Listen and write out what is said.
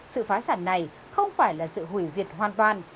sự phá sản này không phải là sự hủy diệt hoàn toàn